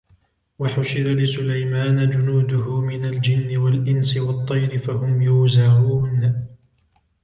وحشر لسليمان جنوده من الجن والإنس والطير فهم يوزعون